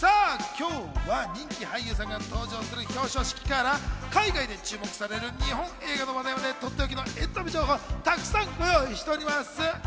今日は人気俳優さんが登場する表彰式から海外で注目される日本映画の話題まで、とっておきのエンタメ情報たくさんご用意しております。